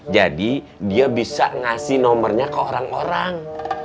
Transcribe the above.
jadi dia bisa ngasih nomernya ke orang orang